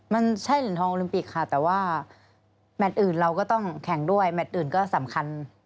มันใช่เหรียญทองโอลิมปิกค่ะแต่ว่าแมทอื่นเราก็ต้องแข่งด้วยแมทอื่นก็สำคัญ